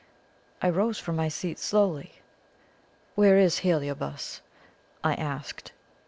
I rose from my seat slowly. "Where is this Heliobas?" I asked.